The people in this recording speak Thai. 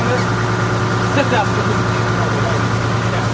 นี่คือแหละ